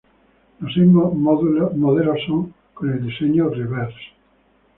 Los seis modelos son con el diseño "reverse".